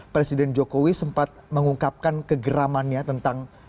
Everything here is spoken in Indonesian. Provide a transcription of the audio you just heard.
presiden jokowi sempat mengungkapkan kegeramannya tentang